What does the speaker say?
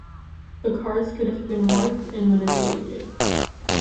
The cards could have been marked and manipulated.